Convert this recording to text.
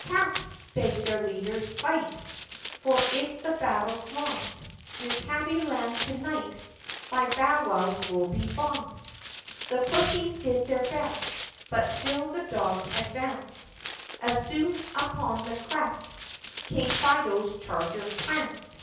"Cats!" begged their leaders, "fight! For if the battle 's lost Dear Tabbyland to night By bowwows will be bossed !" The pussies did their best But still the dogs advanced, And soon upon the crest King Fido's charger pranced